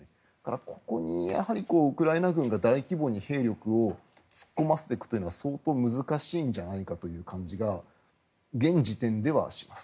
ここにウクライナ軍が大規模に兵力を突っ込ませていくというのは相当難しいんじゃないかという感じが現時点ではします。